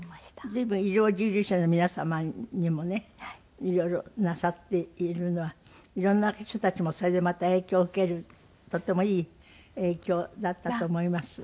随分医療従事者の皆様にもね色々なさっているのは色んな人たちもそれでまた影響を受けるとってもいい影響だったと思います。